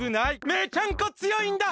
めちゃんこ強いんだ！